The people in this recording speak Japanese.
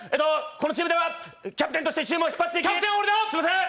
このチームではキャプテンとしてチームを引っ張っていきます。